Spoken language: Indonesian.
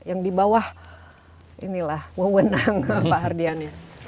yang dibawah inilah wewenang pak hardiana